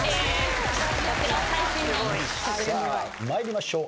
さあ参りましょう。